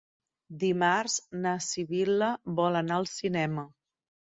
Dimarts na Sibil·la vol anar al cinema.